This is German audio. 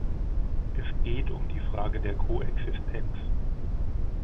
Es geht um die Frage der Koexistenz.